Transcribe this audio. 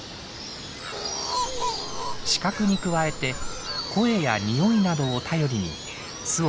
視覚に加えて声やにおいなどを頼りに巣を探すんです。